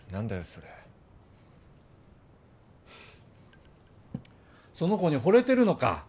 それその子にほれてるのか？